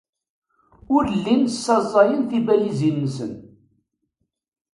Ur llin ssaẓayen tibalizin-nsen.